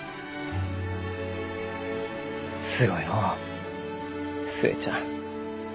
すごいのう寿恵ちゃん。